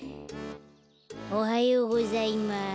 おはようございます。